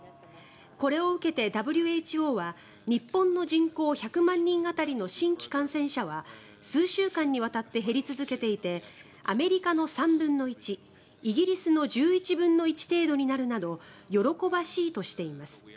これを受けてＷＨＯは日本の人口１００万人当たりの新規感染者は数週間にわたって減り続けていてアメリカの３分の１イギリスの１１分の１程度になるなど喜ばしいとしています。